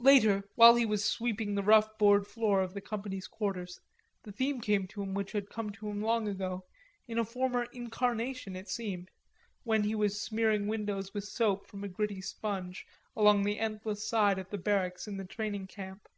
Later, while he was sweeping the rough board floor of the company's quarters, the theme came to him which had come to him long ago, in a former incarnation it seemed, when he was smearing windows with soap from a gritty sponge along the endless side of the barracks in the training camp.